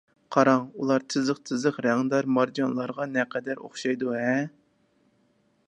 قاراڭ، ئۇلار تىزىق-تىزىق رەڭدار مارجانلارغا نەقەدەر ئوخشايدۇ-ھە!